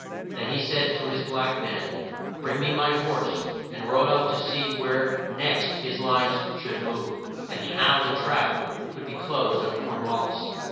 Then he said to his black man, "Bring me my horse," and rode off to see where next his lines should move, and how the trap could be closed on Corn wal lis.